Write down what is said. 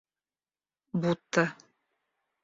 будто